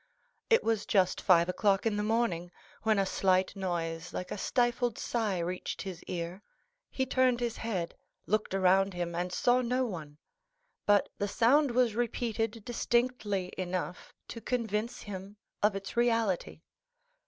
It was just five o'clock in the morning when a slight noise like a stifled sigh reached his ear. He turned his head, looked around him, and saw no one; but the sound was repeated distinctly enough to convince him of its reality.